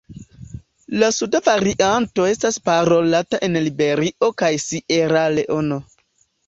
La suda varianto estas parolata en Liberio kaj Sieraleono.